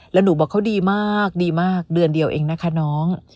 แล้วหนูบอกเขาดีมากดีมากเดือนเดียวเองนะคะน้อง